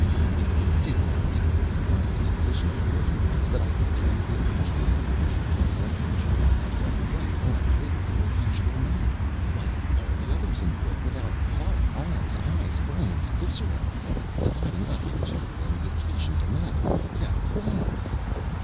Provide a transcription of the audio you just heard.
_ It didn't relate what the final disposition of the organ was, but I didn't really care. It was evident Julia had gone right on living in her usual manner, like all the others in the book. Without heart, arms, eyes, brains, viscera, dividing up in two when the occasion demanded. Without a qualm.